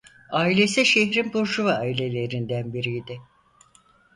Ailesi şehrin burjuva ailelerinden biriydi.